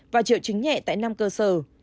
và triệu chứng nhẹ tại năm cơ sở